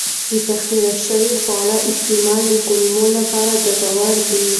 د تخمیر شوي خواړو استعمال د کولمو لپاره ګټور دی.